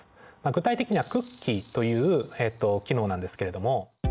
具体的にはクッキーという機能なんですけれども。